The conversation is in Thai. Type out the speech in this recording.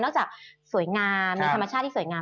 จากสวยงามมีธรรมชาติที่สวยงาม